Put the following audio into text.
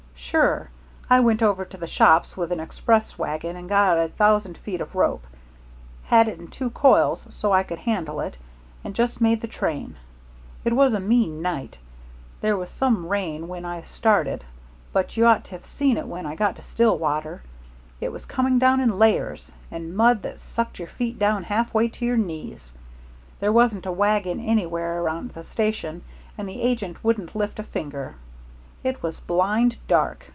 "Sure. I went over to the shops with an express wagon and got a thousand feet of rope had it in two coils so I could handle it and just made the train. It was a mean night. There was some rain when I started, but you ought to have seen it when I got to Stillwater it was coming down in layers, and mud that sucked your feet down halfway to your knees. There wasn't a wagon anywhere around the station, and the agent wouldn't lift a finger. It was blind dark.